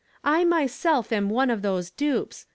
I myself am one of those dupes.